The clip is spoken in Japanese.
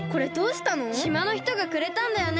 しまのひとがくれたんだよね。